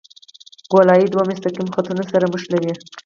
ګولایي دوه مستقیم خطونه سره نښلوي